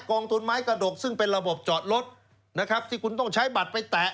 กองทุนไม้กระดกซึ่งเป็นระบบจอดรถนะครับที่คุณต้องใช้บัตรไปแตะ